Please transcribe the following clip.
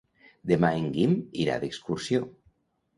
Demà en Guim irà d'excursió.